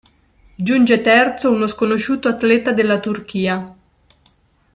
Giunge terzo uno sconosciuto atleta della Turchia.